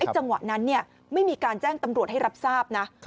จังหวะนั้นไม่มีการแจ้งตำรวจให้รับทราบนะ